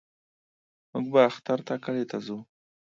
موږ به اختر ته کلي له زو.